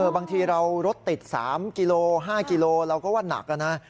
บางทีเรารถติด๓กิโล๕กิโลเราก็ว่านักนะ